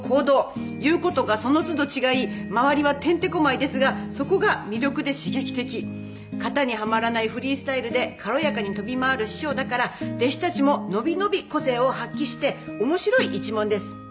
「言う事がそのつど違い周りはてんてこまいですがそこが魅力で刺激的」「型にはまらないフリースタイルで軽やかに飛び回る師匠だから弟子たちも伸び伸び個性を発揮して面白い一門です」